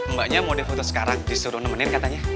mbaknya mau di foto sekarang disuruh nemenin katanya